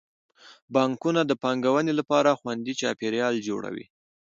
بانکونه د پانګونې لپاره خوندي چاپیریال جوړوي.